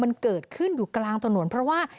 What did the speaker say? มันเกิดขึ้นอยู่กลางถนนเพราะว่า